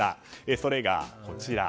それが、こちら。